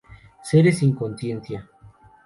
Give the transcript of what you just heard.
Seres sin conciencia...".